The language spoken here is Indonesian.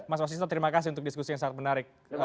mas wasisto terima kasih untuk diskusi yang sangat menarik